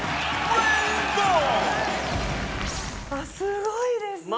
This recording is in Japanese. すごいですま